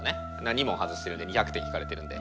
２問外してるんで２００点引かれてるんで。